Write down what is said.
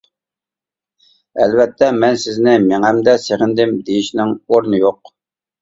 ئەلۋەتتە «مەن سىزنى مېڭەمدە سېغىندىم» دېيىشنىڭ ئورنى يوق.